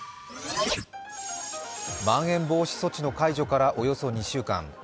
まん延防止措置の解除からおよそ２週間。